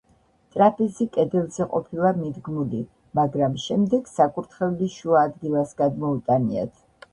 ტრაპეზი კედელზე ყოფილა მიდგმული, მაგრამ შემდეგ საკურთხევლის შუა ადგილას გადმოუტანიათ.